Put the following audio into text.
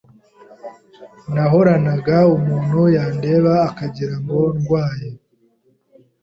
nahoranaga umuntu yandeba akagirango ndwaye